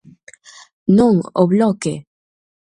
¡Non o Bloque!